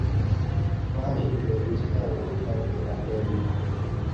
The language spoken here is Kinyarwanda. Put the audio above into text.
bahinduye inzu yabo bayigira ndende